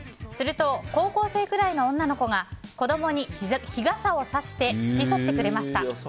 すると、高校生くらいの女の子が子供に日傘をさして付き添ってくれました。